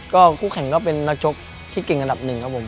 ก็คู่แข่งก็เป็นนักชกที่เก่งอันดับหนึ่งครับผม